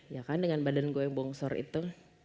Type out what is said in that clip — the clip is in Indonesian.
ya kan dengan badan gue bongsor itu